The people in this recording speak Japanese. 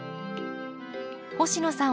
星野さん